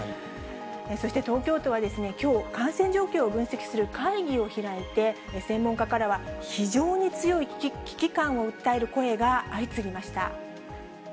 そして東京都はきょう、感染状況を分析する会議を開いて、専門家からは、非常に強い危機感を訴える声が相次ぎました。